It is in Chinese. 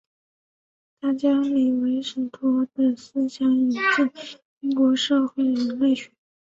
他将李维史陀的思想引进英国社会人类学。